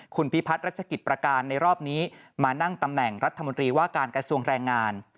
คุณพิพัฒน์รัชกิจประการในรอบนี้มานั่งตำแหน่งรัฐมนตรีว่าการกระทรวงแรงงาน